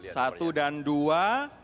satu dan dua